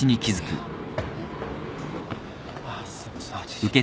あっすいません。